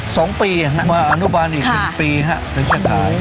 สัก๒ปีมาอนุบาลอีก๑ปีตั้งแต่ถ่าย